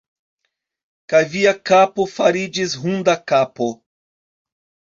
Kaj via kapo fariĝis hunda kapo!